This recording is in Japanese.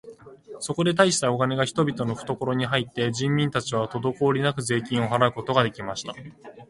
そこで大したお金が人々のふところに入って、人民たちはとどこおりなく税金を払うことが出来ました。